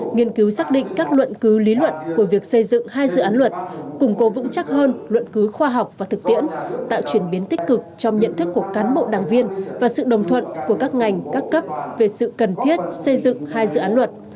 nghiên cứu xác định các luận cứ lý luận của việc xây dựng hai dự án luật củng cố vững chắc hơn luận cứu khoa học và thực tiễn tạo chuyển biến tích cực trong nhận thức của cán bộ đảng viên và sự đồng thuận của các ngành các cấp về sự cần thiết xây dựng hai dự án luật